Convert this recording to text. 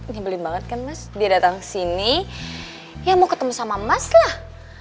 nyebelin banget kan mas dia datang ke sini ya mau ketemu sama mas lah